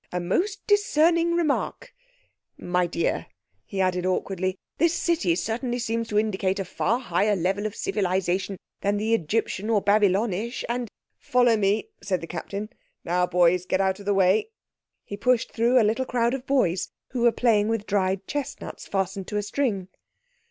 A most discerning remark—my dear," he added awkwardly; "this city certainly seems to indicate a far higher level of civilization than the Egyptian or Babylonish, and—" "Follow me," said the Captain. "Now, boys, get out of the way." He pushed through a little crowd of boys who were playing with dried chestnuts fastened to a string.